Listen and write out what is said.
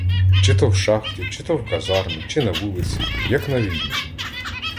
Чи то в шахті, чи в казармі, чи на вулиці, — як на війні.